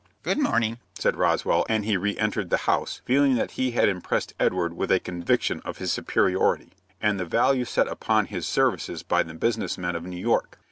"Good morning," said Roswell, and he re entered the house, feeling that he had impressed Edward with a conviction of his superiority, and the value set upon his services by the business men of New York.